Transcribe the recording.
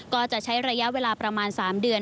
ก็จะใช้ระยะเวลาประมาณ๓เดือน